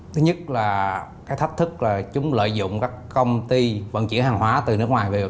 thứ nhất là cái thách thức là chúng lợi dụng các công ty vận chuyển hàng hóa từ nước ngoài về